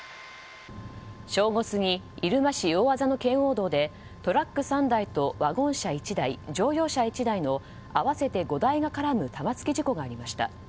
正午過ぎ入間市の圏央道でトラック３台とワゴン車１台、乗用車１台の合わせて５台が絡む玉突き事故がありました。